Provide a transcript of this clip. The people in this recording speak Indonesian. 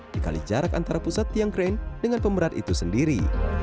dikali jarak antara pusat tiang krain dengan pemberat itu sendiri